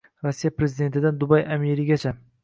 Rossiya prezidentidan Dubay amirigacha